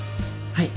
はい。